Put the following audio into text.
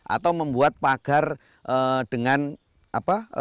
atau membuat pagar dengan apa